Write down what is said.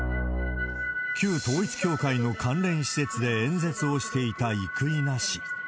旧統一教会の関連施設で演説をしていた生稲氏。